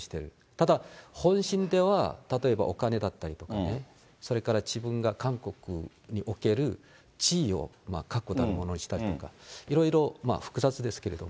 ただ、本心では例えば、お金だったりとかね、それから自分が韓国における地位を確固たるものにしたいとか、いろいろ複雑ですけれども。